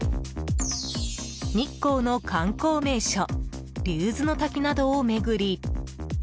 日光の観光名所竜頭の滝などを巡り